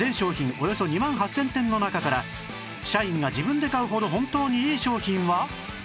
およそ２万８０００点の中から社員が自分で買うほど本当にいい商品は何？